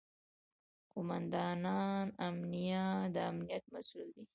قوماندان امنیه د امنیت مسوول دی